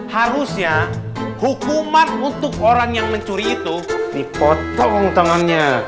harusnya hukuman untuk orang yang mencuri itu dipotong tangannya